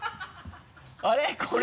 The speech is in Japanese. あれ？